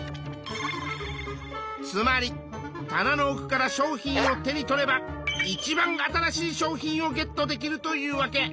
つまり棚の奥から商品を手に取ればいちばん新しい商品をゲットできるというわけ。